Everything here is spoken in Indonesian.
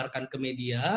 kita keluarkan ke media